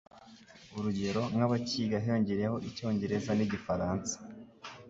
urugero nk'abakiga hiyongereyeho Icyongereza n'Igifaransa